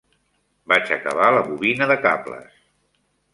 Vaig acabar la bobina de cables.